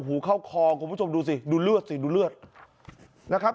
หูเข้าคอคุณผู้ชมดูสิดูเลือดสิดูเลือดนะครับ